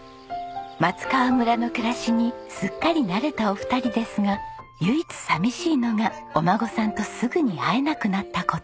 松川村の暮らしにすっかり慣れたお二人ですが唯一寂しいのがお孫さんとすぐに会えなくなった事。